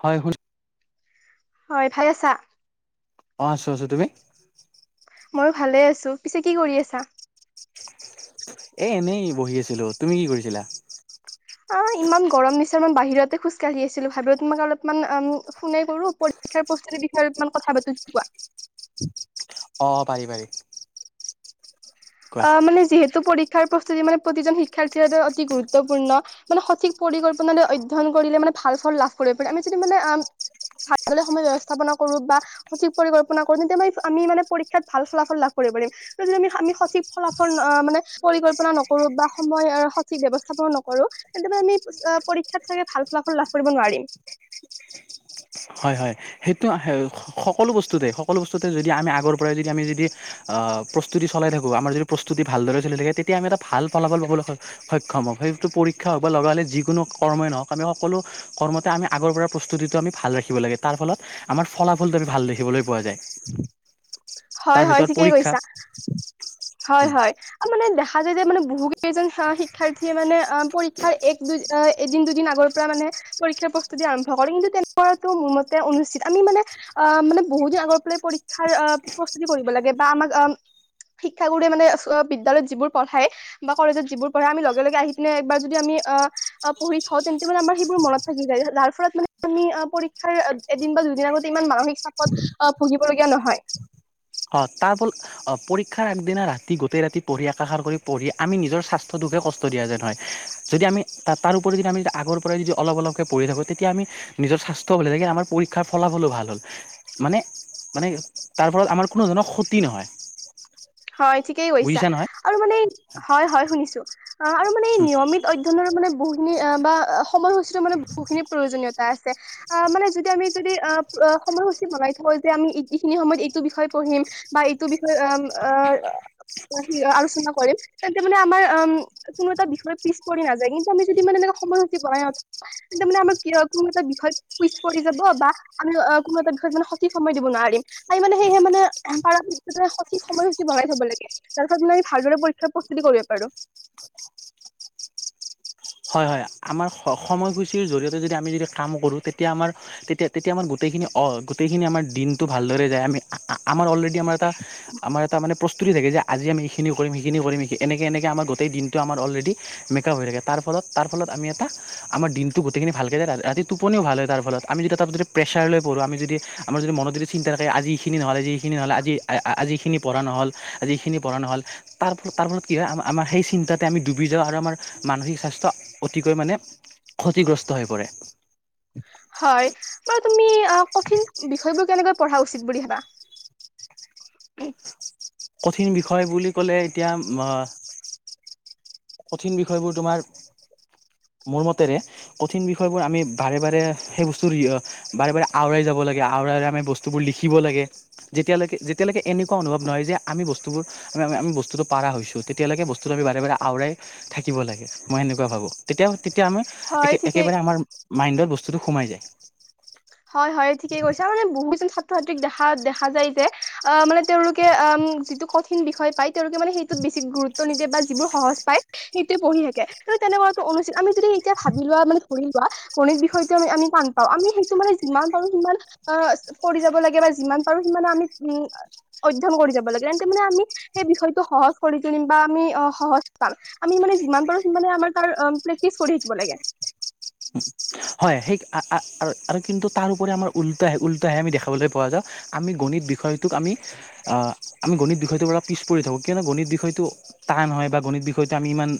হয় শুন হয় ভালে আছা অ' আছো, আছো তুমি? ময়ো ভালে আছোঁ। পিছে কি কৰি আছা? এই এনেই বহি আছিলোঁ। তুমি কি কৰিছিলা? অ' ইমান গৰম দিছে মান বাহিৰতে খোজ কাঢ়ি আছিলোঁ, ভাবিলোঁ তোমাক অলপমানম ফোনে কৰোঁ। শিক্ষাৰ প্ৰস্তুতিৰ বিষয়েমান কথা পাতোঁ কোৱা। অ' অ' পাৰি পাৰি। কোৱা অ' মানে যিহেতু পৰীক্ষাৰ প্ৰস্তুতি মানে প্ৰতিজন শিক্ষাৰ্থীৰ বাবে অতি গুৰুত্বপূৰ্ণ। মানে সঠিক পৰিকল্পনা লৈ অধ্যয়ন কৰিলে মানে ভাল ফল লাভ কৰিব পাৰি। আমি যদি মানে আহ ভালে সময় ব্যৱস্থাপনা কৰোঁ বা সঠিক পৰিকল্পনা কৰোঁ। তেতিয়া আমি আমি মানে পৰীক্ষাত ভাল ফলাফল লাভ কৰিব পাৰিম তো যদি আমি আমি সঠিক ফলাফল মানে পৰিকল্পনা নকৰোঁ বা সময় সঠিক ব্যৱস্থাপন নকৰোঁ। তেন্তেটো আমি পৰীক্ষাত চাগে ফলাফল লাভ কৰিব নোৱাৰিম। হয়, হয়। সেইটো সকলো বস্তুতে সকলো বস্তুতে যদি আমি আগৰ পৰাই যদি আমি যদি প্ৰস্তুতি চলাই থাকোঁ। আমাৰ যদি প্ৰস্তুতি ভালদৰে চলি থাকে। তেতিয়া আমি এটা ভাল ফলাফল পাবলৈ সক্ষম হওঁক, সেইটো পৰীক্ষা হওঁক বা লগা হ'লে যিকোনো কৰ্মই নহওঁক, আমি সকলো কৰ্ম আমি আগৰ প্ৰস্তুতিটো আমি ভাল ৰাখিম। লাগে তাৰফলত আমাৰ ফলাফলটো আমি ভাল দেখিবলৈ পোৱা যায়। হয় হয় তাৰভিতৰত ঠিকেই পৰীক্ষা। কৈছা হয়, হয়, মানে দেখা যায় যে মানে বহু কেইজন শিক্ষাৰ্থীয়ে মানে অ' পৰীক্ষাৰ এক দুই অ' এদিন দুদিন আগৰ পৰা মানে পৰীক্ষাৰ প্ৰস্তুতি আৰম্ভ কৰে। কিন্তু তেনেকুৱটো মোৰ মতে অনুচিত আমি মানে আহ মানে বহু দিন আগৰ পৰাই পৰীক্ষাৰ প্ৰস্তুতি কৰিব লাগে বা আমাক অ' শিক্ষাগুৰুৰে মানে বিদ্যালয়ত যিবোৰ পঢ়াই বা কলেজত যিবোৰ পঢ়াই, আমি লগে লগে আহি পিনে একবাৰ যদি আমি অ' পঢ়ি থওঁ, তেন্তে মানে আমাৰ সেইবোৰ মনত থাকি যায়। যাৰ ফলত মানে আমি পৰীক্ষাৰ এদিন বা দুদিন আগতে ইমান মানসিক চাপত অ' ভুগিবলগীয়া নহয়। অ' তাৰফলত অ' পৰীক্ষাৰ আগদিনা ৰাতি গোটেই ৰাতি পঢ়ি আকাষাৰ কৰি পঢ়ি আমি নিজৰ স্বাস্থ্য কষ্ট দিয়া যেন হয়। যদি আমি তাৰোওপৰিও যদি আমি আগৰ পৰাই যদি অলপ অলপকৈ পঢ়ি থাকোঁ। তেতিয়া আমি নিজৰ স্বাস্থ্য যেনেকে আমাৰ পৰীক্ষাৰ ফলাফলো ভাল হ'ল মানে মানে তাৰ ফলত আমাৰ কোনো ধৰণৰ ক্ষতি নহয়। হয়, ঠিকেই কৈছা বুজিছা নহয় আৰু মানে হয়, হয় শুনিছোঁ অ' আৰু মানে নিয়মিত অধ্যয় ধৰৰ মানে বহুখিনি বা সময়সূচীটো মানে বহুখিনি প্ৰয়োজনীয়তা আছে। আহ মানে যদি আমি যদি আহ সময়সূচী বনাই থওঁ যে আমি এইখিনি সময়ত এইটো বিষয় পঢ়িম বা এইটো বিষয়ে আহ আহি আলোচনা কৰিম। তেন্তে মানে আমাৰ উম। কোনো এটা বিষয় পিছ পৰি নাযায়। কিন্তু আমি যদি ইান এনেকুৱা সময়সূতি বনাইওঁঁত তেন্তে মানে আমাৰ কিয় কোনো এটা বিষয়ত পিছ পৰি যাব বা আমি অ' কোনো দিশত সঠিক সময় দিব নোৱাৰিম। আমি মানে সেয়হে মানে পাৰা পক্ষত সঠিক সময়সূচী ভৰাই থ'ব লাগে। তাৰপিছত আমি ভালদৰে পৰীক্ষা প্ৰস্ততি কৰিব পাৰোঁ। হয়, হয়। আমাৰ সময়সূচিৰ জৰিয়তে যদি আমি যদি কাম কৰোঁ। তেতিয়া আমাৰ তেতিয়া, তেতিয়া আমাৰ গোটেইখিনি অ' গোটেইখিনি আমাৰ দিনটো ভালদৰে যায়। আমি আমাৰ অলৰেডি যদি আমাৰ এটা আমাৰ এটা মানে প্ৰস্ততি তুলি থাকে যে আজি আমি এইখিনি কৰিম, সেইখিনি কৰিম, এনেকৈ এনেকৈ আম গোটেই দিনটো আমাৰ অলৰেডি মেকআপ হৈ থাকে। তাৰ ফলত তাৰ ফলত আমি এটা আমাৰ দিনটো গোটেইখিনি ভালকৈ যায়। তাৰপিছত ৰাতি টোপনিও ভাল হয়। তাৰ ফলত আমি যদি তাতো প্ৰেছাৰলৈ পঢ়োঁ। আমি যদি আমাৰ যদি মনত যদি চিন্তা আজি এইখিনি নহ'লে, যিখিনি নহ'লে আজি আ আজি এইখিনি পঢ়া নহ'ল, আজি এইখিনি পঢ়া নহ'ল। তাৰ তাৰ ফলত কি হয় আমাৰ সেই চিন্তা আমি ডুবি যাওঁ আৰু আমাৰ মানসিক স্বাস্থ্য অতিকৈ মানে ক্ষতিগ্ৰস্ত হৈ পৰে। হয়, বাৰু তুমি কঠিন বিষয়বোৰ কেনেকৈ পঢ়া উচিত বুলি ভাবা? কঠিন বিষয় বুলি ক'লে এতিয়া অ' কঠিন বিষয়বোৰ তোমাৰ মোৰ মতেৰে কঠিন বিষয়বোৰ আমি বাৰে বাৰে সেই বস্তুৰ বাৰে বাৰে আওৰাই যাব লাগে আওৰাইৰে আমি বস্তু বস্তুবোৰ লিখিব লাগে যেতিয়ালৈকে যেতিয়ালৈকে এনেকুৱা অনুভৱ নহয় যে আমি বস্তুবোৰ আমি আমি বস্তুটো পাৰা হৈছো তেতিয়ালৈকে বস্তুটো আমি বাৰে বাৰে আওৰাই থাকিব লাগে মই সেনেকুৱা ভাবো তেতিয়া তেতিয়া আমি হয় একে ঠিকেই একেবাৰে আমাৰ মাইণ্ডত বস্তুটো সোমাই যায়। হয়, হয়, ঠিকে কৈছো আৰু মানে বহুকেইজন ছাত্ৰ ছাত্ৰীক দেখা দেখা যায় যে আহ মানে তেওঁলোকে যিটো কঠিন বিষয় পায় তেওঁলোকে মানে সেইটোত বেছি গুৰুত্ব নিদিয়ে বা যিবোৰ সহজ পায়। সেইটোৱে পঢ়ি থাকে তেনেকুৱাতটো অনুচিত, আমি যদি এতিয়া ভাবি লোৱা মানে ধৰি লোৱা। গণিত বিষয়টো আমি টান পাওঁ আমি যিমান পাৰো সিমান কৰি যাব লাগে বা যিমান পাৰো সিমান আমি উ অধ্যয়ন কৰি যাব লাগে তেন্ত মানে আমি সেই বিষয়টো সহজ কৰি তুলিম বা আমি অ', সহজ পাম। আমি মানে যিমান পাৰো সানে আমাৰ ত প্ৰেক্টিচ কৰি থাকিব লাগে। হয়, সেই আৰু কিন্তু তাৰ উপৰি আমাৰ উল্টা আহ উল্টা আহে আমি দেখাবলৈ পোৱা যাওঁ। আমি গণিত বিষয়টোক আমি আমি গণিত বিষয়টোৰ পৰা পিছ পৰি থাকোঁ কিয়নো গণিত বিষয়টো টান হয় বা গণিত বিষয়টো আমি ইমান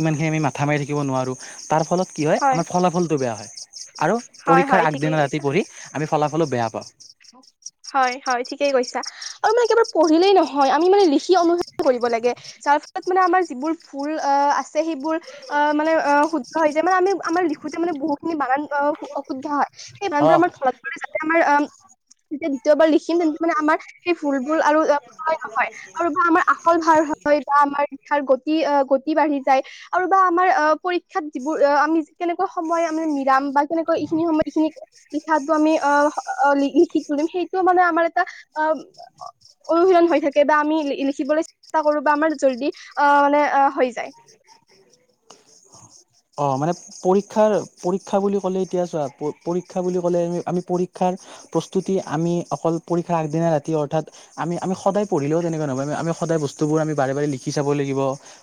ইমানখিনি আমি মাথা মাৰি থাকিব নোৱাৰো। তাৰ ফলত কি হয় আমাৰ ফলাফলটো বেয়া হয় আৰু হয় হয় পৰীক্ষাৰ ঠিকেই আগদিনা ৰাতি কৈছা পঢ়ি আমি ফলাফলো বেয়া পাওঁ। হয়, হয়, ঠিকেই কৈছা। আৰু মানে একবাৰ পঢ়িলেই নহয় আমি মানে লিখি [unintelligible] কৰিব লাগে। যাৰ ফলত মানে আমাৰ যিবোৰ ভুল অ', আছে সেইবোৰ অ', মানে অ', শুদ্ধ হৈ যে মানে আমাৰ লিখোতে মানে বহুখিনি বাগান অশুদ্ধ হয় সেই অ বানান বোৰ [unintelligible] যাতে আমাৰ অ' যেতিয়া দ্বিতীয়বাৰ লিখিম তেন্তে মানে আমাৰ সেই ভুলবোৰ আৰু [unintelligible] নহয়। আৰু বা আমাৰ আখৰ ভাল হয় বা আমাৰ লিখাৰ গতি গতি বাঢ়ি যায়। আৰু বা আমাৰ অ', পৰীক্ষাত যিবোৰ আমি কেনেকুৱা সময় মানে মিৰাম বা কেনেকা এইখিনি সময় এইখিনি লিখাটো আমি অ', লিখি তুলিম সেইটো মানে আমাৰ এটা অ' অনুশীলন হৈ থাকে বা আমি লিখিবলৈ চেষ্টা কৰো বা আমাৰ জল্দি অ মানে হৈ যায়। অ', মানে পৰীক্ষাৰ পৰীক্ষা বুলি ক'লে এতিয়া চোৱা পৰীক্ষা বুলি ক'লে আমি পৰীক্ষাৰ প্ৰস্তুতি আমি অকল পৰীক্ষাৰ আগদিনা ৰাতি অৰ্থাৎ আমি আমি সদায় পঢিলও তেনেকুৱা নহ'ব আমি সদায় বস্তুবোৰ আমি বাৰে লিখি চাব লাগিব।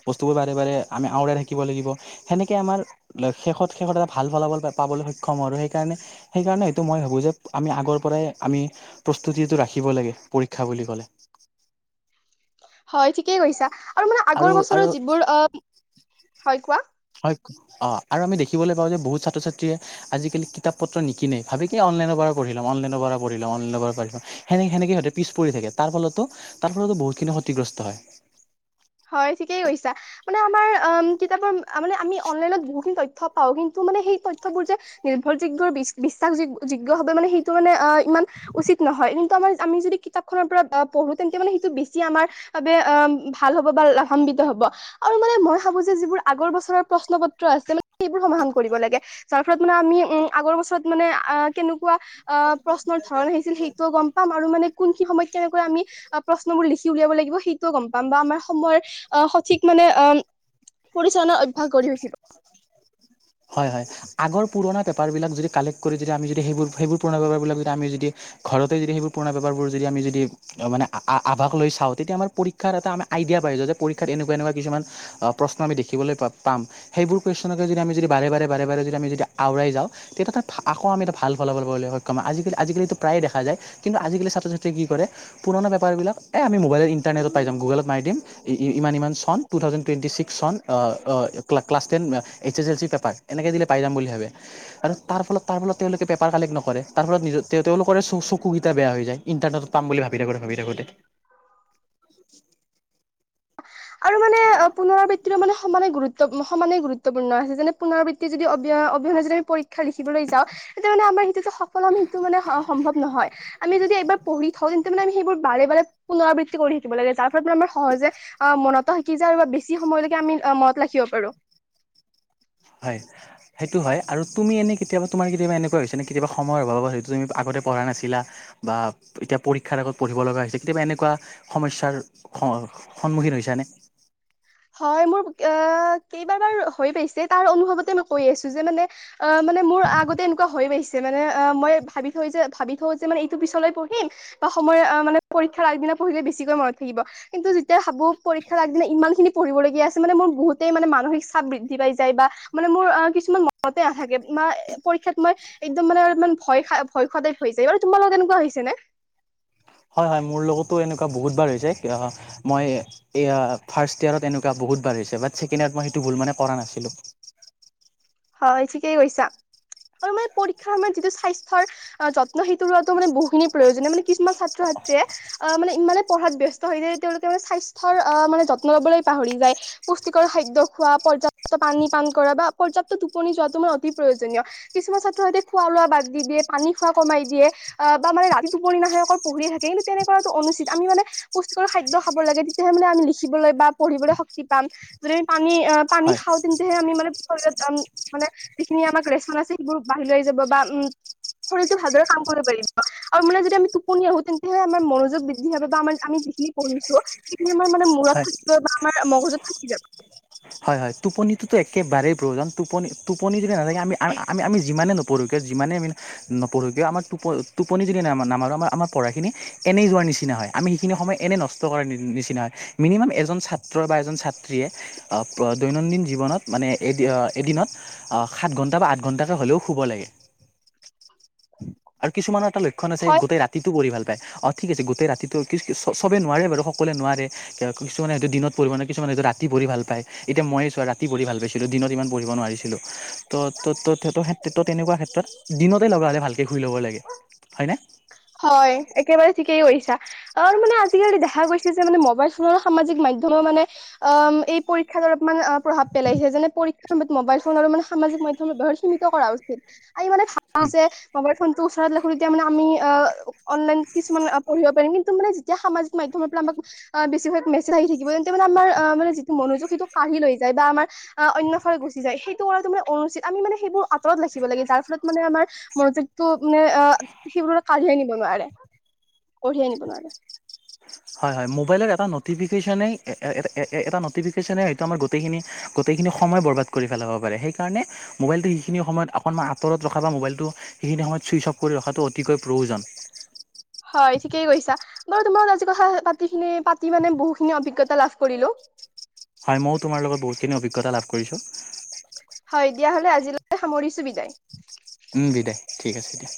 বস্তুবোৰ বাৰে বাৰে আমি আওৰাই থাকিব লাগিব। সেনেকৈ আমাৰ শেষত শেষত এটা ভাল ফলাফল পাবলৈ সক্ষম হও আৰু সেইকাৰণে সেইকাৰণে এইটো মই ভাবো যে আমি আগৰ পৰাই আমি প্ৰস্তুতিটো ৰাখিব লাগে পৰীক্ষা বুলি ক'লে। হয়, ঠিকেই কৈছা আৰু মানে আগৰ বছৰৰ যিবোৰ অ', হয়,, কোৱা? হয়, অ', আৰু আমি দেখিবলৈ পাওঁ যে বহুত ছাত্ৰ-ছাত্ৰীয়ে আজিকালি কিতাপ পত্ৰ নিকিনেই ভাবে কি অনলাইনৰ পৰা পঢ়ি লওঁ অনলাইনৰ পৰা পঢ়ি লওঁ অনলাইনৰ পৰা পঢ়ি লওঁ। সেনে-সেনেকে সিঁহতে পিছ পৰি থাকে তাৰ ফলতো তাৰ ফলতো বহুত খিনি ক্ষতিগ্ৰস্ত হয়। হয়, ঠিকেই কৈছা। মানে আমাৰ অ', কিতাপৰ মানে আমি অনলাইনত বহুখিনি তথ্য পাও কিন্তু মানে সেই তথ্যবোৰ যে নিৰ্ভৰ যোগ্য বিশ্বাস যোগ যোগ্য ভাবে মানে সেইটো মানে আহ ইমান উচিত নহয়। কিন্তু আমাৰ আমি যদি কিতাপখনৰ পৰা পঢ়ো তেন্তে মানে সেইটো বেছি আমাৰ বাবে অ' ভাল হ'ব বা লাভান্বিত হ'ব। আৰু মানে মই ভাবো যে যিবোৰ আগৰ বছৰৰ প্ৰশ্ন পত্ৰ আছে মানে সেইবোৰ সমাধান কৰিব লাগে। যাৰ ফলত মানে আমি উম আগৰ বছৰত মানে আহ কেনেকুৱা আহ প্ৰশ্নৰ ধৰন আহিছিল সে ইটো গ'ম পাম আৰু মানে কোনখিনি সময়ত কেনেকৈ আমি প্ৰশ্ন বোৰ লিখি উলিয়াব লাগিব সেইটোও গ'ম পাম। বা আমাৰ সময়ৰ আহ সঠিক মানে আ পৰিচালনা অভ্যাস গঢ়ি উঠিব। হয়, হয়। আগৰ পুৰণা পেপাৰ বিলাক যদি কালেক্ট কৰি যদি আমি যদি সেইবোৰ সেইবোৰ পুৰণা পেপাৰবিলাক যদি আমি যদি ঘৰতে যদি সেইবোৰ পুৰণা পেপাৰবোৰ যদি আমি যদি মানে আ আভাষ লৈ চাওঁ তেতিয়া আমাৰ পৰীক্ষাৰ এটা আমি আইডিয়া পায়, যাতে পৰীক্ষাত এনেকুৱা এনেকুৱা কিছুমান অ' প্ৰশ্ন আমি দেখিবলৈ পাম, সেইবোৰ কুৱেশ্যনকে যদি আমি যদি বাৰে বাৰে বাৰে বাৰে যদি আমি যদি আওৰাই যাওঁ তেতিয়া তাত আকৌ আমি এটা ভাল ফলা ফল পাবলৈ সক্ষম হ'ম। আজিকালি আজিকালিতো প্ৰায়ে দেখা যায়। কিন্তু আজিকালি ছাত্ৰ ছাত্ৰীয়ে কি কৰে পুৰণা পেপাৰবিলাক এ আমি মোবাইলৰ ইণ্টাৰনেটত পাই যাম। গুগলত মাৰি দিম ই ই ইমান ইমান চন টু থাউজেণ্ড টুৱেণ্টি ছিক্স চন অ' class ten H S L C paper এনেকৈ দিলে পাই যাম বুলি ভাবে। আৰু তাৰ তাৰ ফলত তেওঁলোকে পেপাৰ কালেক্ট নকৰে, তাৰ ফলত নিজৰ তেওঁলোকৰে চ চকুকেইটা বেয়া হৈ যায়। ইণ্টাৰনেটত পাম বুলি ভাবি থাকোতে ভাবি থাকোতে। আৰু মানে অ পুনৰাবৃত্তিৰো মানে সমানে গুৰুত্ব সমানেই গুৰুত্বপূৰ্ণ আছে, যেনে পুনৰাবৃত্তি যদি অবি অবিহনে যদি আমি পৰীক্ষা লিখিবলৈ যাওঁ তেতিয়া মানে আমাৰ সিটোতো সকলো সেইটো মানে সম্ভৱ নহয়। আমি যদি এবাৰ পঢ়ি থওঁ, তেন্তে মানে আমি সেইবোৰ বাৰে বাৰে পুনৰাবৃত্তি কৰি থাকিব লাগে যাৰ ফলত মানে আমাৰ সহজে আ মনতো থাকি যায় আৰু বা বেছি সময়লৈকে আমি মনত ৰাখিব পাৰো। হয়। সেইটো হয়। আৰু তুমি এনেই কেতিয়াবা তোমাৰ কেতিয়াবা এনেকুৱা হৈছে নে কেতিয়াবা সময়ৰ অভাবত সেইটো তুমি আগতে পঢ়া নাছিলা বা তেতিয়া পৰীক্ষাৰ আগত পঢ়িব লগা হৈছে কেতিয়াবা এনেকুৱা সমস্যাৰ স সন্মুখীন হৈছা নে? হয়, মোৰ আহ কেইবা বাৰ হৈ পাইছে তাৰ অনুভৱতে মই কৈ আছো। যে মানে অ' মানে মোৰ আগতে এনেকুৱা হৈ পাইছে। যে মানে আ মই ভাবি থৈ যে ভাবি থওঁ যে মানে এইটো পিছলৈ পঢ়িম বা সময় আ মানে পৰীক্ষাৰ আগদিনা পঢ়িলে বেছিকৈ মনত থাকিব। কিন্তু যেতিয়া ভাবো পৰীক্ষাৰ আগদিনা ইমান খিনি পঢ়িবলগীয়া আছে মানে মোৰ বহুতেই মানে মানসিক চাপ বৃদ্ধি পাই যায়। বা মানে মোৰ অ' কিছুমান মনতে নাথাকে। মাৰ পৰীক্ষাত মই একদম মানে অলমান ভয় খ ভয় খোৱা টাইপ হৈ যায়। বাৰু তোমাৰ লগত এনেকুৱা হৈছে নে? হয়, হয়। মোৰ লগতো এনেকুৱা বহুত বাৰ হৈছে। আ মই এইয়া ফাৰ্ষ্ট ইয়েৰত এনেকুৱা বহুত বাৰ হৈছে, বাট ছেকেণ্ড ইয়েৰত মই সেইটো ভুল মানে কৰা নাছিলোঁ। হয় ঠিকেই কৈছা। আৰু মানে পৰীক্ষাৰ সময়ত যিটো স্বাস্থ্যৰ যত্ন সেইটো লোৱাটো মানে বহুখিনি প্ৰয়োজনীয়। মানে কিছুমান ছাত্ৰ ছাত্ৰীয়ে আহ মানে ইমানে পঢ়াত ব্যস্ত হৈ যায়, তেওঁলোকে মানে স্বাস্থ্যৰ অ মানে যত্ন ল'বলৈ পাহৰি যায়। পুষ্টিকৰ খাদ্য খোৱা, পৰ্যাপ্ত পানী পান কৰা, বা পৰ্যাপ্ত টোপনি যোৱাটো মানে অতি প্ৰয়োজনীয়। কিছুমান ছাত্ৰ ছাত্ৰীয়ে খোৱা লোৱা বাদ দি দিয়ে, পানী খোৱা কমাই দিয়ে আ বা মানে ৰাতি টোপনি নাহে, অকল পঢ়িয়ে থাকে কিন্তু তেনেকুৱাটো অনুচিত। আমি মানে পুষ্টিকৰ খাদ্য খাব লাগে। তেতিয়াহে মানে আমি লিখিবলৈ বা পঢ়িবলৈ শক্তি পাম। যদি আমি পানী অঁ পানী হয় খাওঁ তেন্তেহে আমি মানে শৰীৰত আম মানে যিখিনি আমাক ৰেচন আছে সেইবোৰ বাহিৰলৈ যাব বা উম শৰীৰটো ভালদৰে কাম কৰিব পাৰিব। আৰু মানে যদি আমি টোপনি আহো তেন্তেহে আমাৰ মনোযোগ বৃদ্ধি হয় বা আমাৰ আমি যিখিনি পঢ়িছো সেইখিনি আমাৰ মানে মূৰত হয় থাকিব বা আমাৰ মগজুত থাকি যাব। হয় হয় টোপনিটোতো একেবাৰেই প্ৰয়োজন, টোপনি টোপনি যদি নাথাকে আমি আমি আমি যিমানে ন পঢ়ো কিয় যিমানেই আমি নপঢ়ো কিয় আমাৰ টো টোপনি যদি ন নেমা নেমাৰো আমাৰ পঢ়াখিনি এনেই যোৱাৰ নিচিনা হয়। আমি সেইখিনি সময় এনেই নষ্ট কৰাৰ নিচিনা হয় মিনিমাম এজন ছাত্ৰ বা এজন ছাত্ৰীয়ে অঁ প্ৰ দৈনন্দিন জীৱনত মানে এদ এদিনত সাত ঘণ্টা বা আঠ ঘণ্টাকে হ'লেও শুব লাগে। [inaudible] আৰু কিছুমানৰ এটা লক্ষণ আছে হয় গোটেই ৰাত তিটো পঢ়ি ভাল পায়, অঁ ঠিক আছে গোটেই ৰাতিটো কি কিচ চবেই নোৱাৰে বাৰু সকলোৱে নোৱাৰে কিছুমানে সেইটো দিনত পঢ়িব মানে কিছুমানে সেইটো ৰাতি পঢ়ি ভাল পায়। এতিয়া মইয়ে চোৱা ৰাতি পঢ়ি ভাল পাইছিলো দিনত ইমান পঢ়িব নোৱাৰিছিলোঁ। ত ত ত তেনেকুৱা ক্ষেত্ৰত দিনতে লগা হ'লে ভালকে শুই ল'ব লাগে। হয়নে? হয় একেবাৰে ঠিকেই কৈছা। আৰু মানে আজিকালি দেখা গৈছে যে মানে মোবাইল ফোনৰ সামাজিক মাধ্যমে মানে অম এই পৰীক্ষাত অলপমান অ প্ৰভাৱ পেলাইছে, যেনে পৰীক্ষাৰ সময়ত মোবাইল ফোন আৰু মানে সামাজিক মাধ্যমৰ ব্যবহাৰ সীমিত কৰা উচিত, আৰু ই মানে [unintelligible] ফোনটো ওচৰত ৰাখো তেতিয়া মানে আমি অ অনলাইন কিছুমান পঢ়িব পাৰিম, কিন্তু মানে যেতিয়া সামাজিক মাধ্যমৰ পৰা আমাক অঁ বেছিভাগ মেছেজ আহি থাকিব তেন্তে মানে আমাৰ আহ মানে যিটো মনোযোগ সেইটো কাঢ়ি লৈ যায় বা আমাৰ আ অন্য ফালে গুচি যায়, সেইটো কৰাটো মানে অনুচিত, আমি মানে সেইবোৰ আতৰত ৰাখিব লাগে যাৰ ফলত মানে আমাৰ মনোযোগ তো মানে অ সেইবোৰ কাঢ়িয়াই নিব নোৱাৰে কঢ়িয়াই নিব নোৱাৰে। হয় হয় মোবাইলৰ এটা নটিফিকেশনেই এ এ এটা এ এ এটা নটিফিকেশনে এইটো আমাৰ গত গোটেইখিনি গোটেইখিনি সময় বৰবাদ কৰি পেলাব পাৰে, সেইকাৰণে মোবাইলটো সেইখিনি সময়ত অকণমান আঁতৰত ৰখা বা মোবাইলটো সেইখিনি সময়ত ছুইচ অফ কৰি ৰখাটো অতিকৈ প্ৰয়োজন। হয় ঠিকেই কৈছা, বাৰু তোমাৰ আজি কথা পাতি খিনি পাতি মানে বহুতখিনি অভিজ্ঞতা লাভ কৰিলো। হয় মইয়ো তোমাৰ লগত বহুতখিন অভিজ্ঞতা লাভ কৰিছোঁ। হয় দিয়া হ'লে আজিলৈকে সামৰিছো বিদায়। উম বিদায় ঠিক আছে দিয়া।